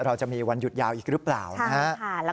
เราจะมีวันหยุดยาวอีกหรือเปล่านะครับ